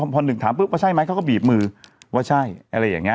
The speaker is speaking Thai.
พอหนึ่งถามปุ๊บว่าใช่ไหมเขาก็บีบมือว่าใช่อะไรอย่างนี้